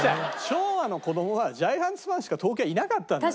昭和の子供はジャイアンツファンしか東京はいなかったんだよ。